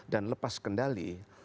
dan lepas kendali